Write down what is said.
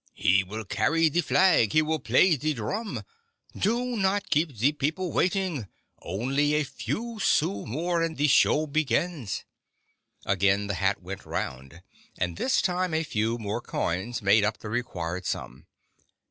He will carry the flag ; he will play the drum. Do not keep the people waiting ! Only a few sous more, and the show begins !" Again the hat went round, and this time a few more coins made up the required sum.